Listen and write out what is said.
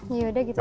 yaudah gitu aja